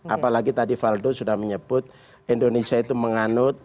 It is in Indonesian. apalagi tadi valdo sudah menyebut indonesia itu menganut